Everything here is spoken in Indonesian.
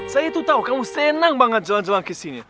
saya itu tau kamu senang banget jalan jalan kesini